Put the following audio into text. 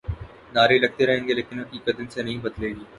نعرے لگتے رہیں گے لیکن حقیقت ان سے نہیں بدلے گی۔